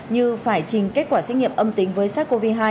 như phải trình kết quả xét nghiệm âm tính với sars cov hai